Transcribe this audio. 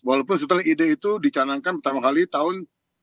walaupun sebetulnya ide itu dicanangkan pertama kali tahun seribu sembilan ratus lima puluh